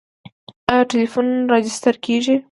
آیا ټلیفونونه راجستر کیږي؟